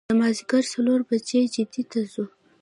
د مازدیګر څلور بجې جدې ته ځو.